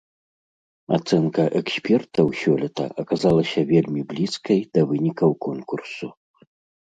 Ацэнка экспертаў сёлета аказалася вельмі блізкай да вынікаў конкурсу.